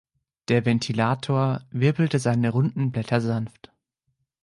Der Ventilator wirbelte seine runden Blätter sanft.